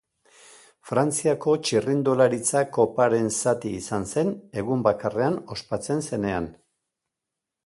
Frantziako Txirrindularitza Koparen zati izan zen egun bakarrean ospatzen zenean.